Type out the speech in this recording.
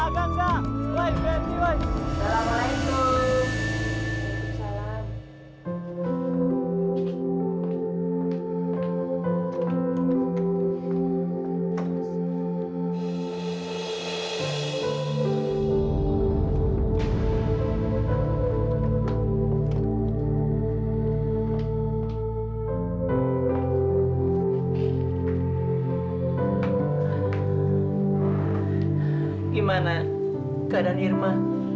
gimana keadaan irma